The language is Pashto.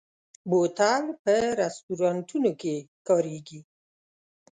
بوتل په رستورانتونو کې کارېږي.